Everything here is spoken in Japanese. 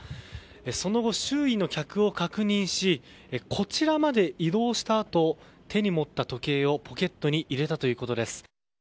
その後、周囲の客を確認しこちらまで移動したあと手に持った時計をポケットに入れたということです。